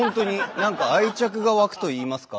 何か愛着がわくといいますか。